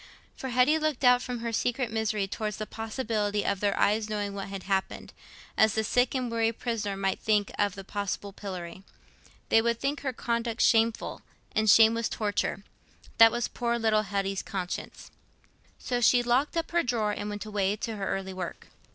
For Hetty looked out from her secret misery towards the possibility of their ever knowing what had happened, as the sick and weary prisoner might think of the possible pillory. They would think her conduct shameful, and shame was torture. That was poor little Hetty's conscience. So she locked up her drawer and went away to her early work.